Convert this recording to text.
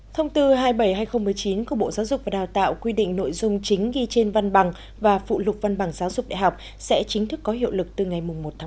thông tư hai mươi bảy hai nghìn một mươi chín của bộ giáo dục và đào tạo quy định nội dung chính ghi trên văn bằng và phụ lục văn bằng giáo dục đại học sẽ chính thức có hiệu lực từ ngày một tháng một mươi